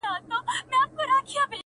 وو حاکم خو زور یې زیات تر وزیرانو-